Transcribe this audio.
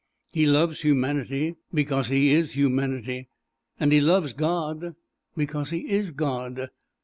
He loves humanity because he is Humanity, and he loves God because he is God.